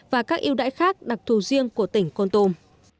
và các yêu đãi khác đặc thù riêng của tỉnh con tum